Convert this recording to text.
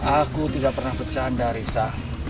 aku tidak pernah bercanda risa